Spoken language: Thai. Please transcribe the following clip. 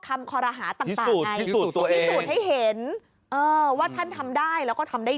คอรหาต่างไงพิสูจน์ให้เห็นว่าท่านทำได้แล้วก็ทำได้